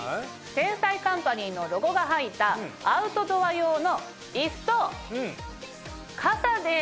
『天才‼カンパニー』のロゴが入ったアウトドア用の椅子と傘です！